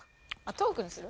トークにする？